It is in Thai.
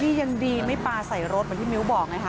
นี่ยังดีไม่ปลาใส่รถเหมือนที่มิ้วบอกไงค่ะ